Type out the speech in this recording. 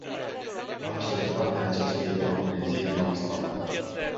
M-am săturat de această ipocrizie constantă.